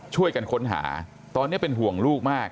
ช่วยกันค้นหาตอนนี้เป็นห่วงลูกมาก